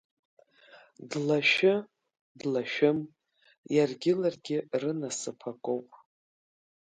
Длашәы-длашәым, иаргьы ларгьы рынасыԥ акоуп.